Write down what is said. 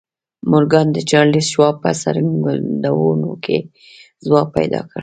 مورګان د چارليس شواب په څرګندونو کې ځواب پيدا کړ.